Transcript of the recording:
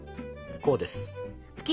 そうです。